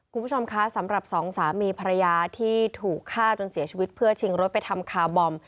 คุณผู้ชมคะสำหรับสองสามีภรรยาที่ถูกฆ่าจนเสียชีวิตเพื่อชิงรถไปทำคาร์บอม